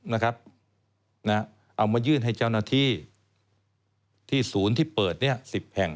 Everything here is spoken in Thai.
เอามายื่นให้เจ้าหน้าที่ที่ศูนย์ที่เปิดเนี่ย๑๐แห่ง